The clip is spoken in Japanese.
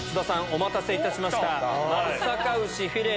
お待たせいたしました。